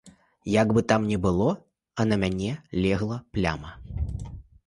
Як бы там не было, а на мяне легла пляма.